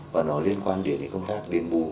và nó liên quan đến công tác điện bù